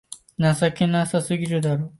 情けなさすぎだろ